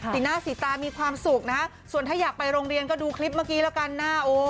สีหน้าสีตามีความสุขนะฮะส่วนถ้าอยากไปโรงเรียนก็ดูคลิปเมื่อกี้แล้วกันนะ